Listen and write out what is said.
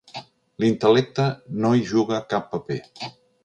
L'intel·lecte no hi juga cap paper.